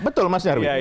betul mas nyarwi